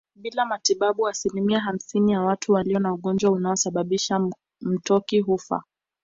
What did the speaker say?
Bila matibabu asilimia hamsini ya watu walio na ugonjwa unaosababisha mtoki hufa